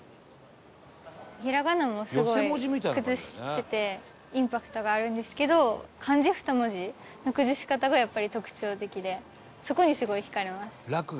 平仮名もすごい崩しててインパクトがあるんですけど漢字２文字の崩し方がやっぱり特徴的でそこにすごい惹かれます。